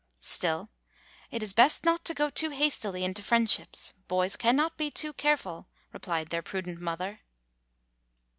"Still, it is best not to go too hastily into friendships. Boys cannot be too careful," re plied their prudent mother.